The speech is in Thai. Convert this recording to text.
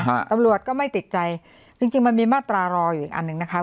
ฮะตำรวจก็ไม่ติดใจจริงจริงมันมีมาตรารออยู่อีกอันหนึ่งนะคะ